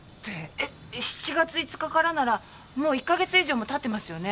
え７月５日からならもう１か月以上も経ってますよね？